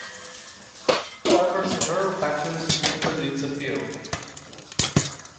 However, several factors limited its appeal.